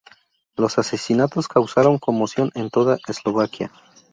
Los asesinatos causaron conmoción en toda Eslovaquia.